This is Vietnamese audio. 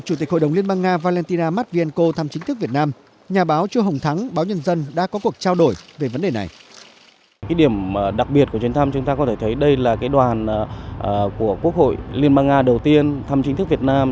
chủ tịch hội đồng liên bang nga valentina matvienko đề nghị hai bên đẩy mạnh hơn nữa trao đổi văn hóa giao lưu nhân dân đa dạng hợp tác kinh tế thương mại tự do việt nam